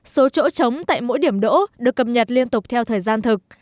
số chỗ chống tại mỗi điểm đỗ được cập nhật liên tục theo thời gian thực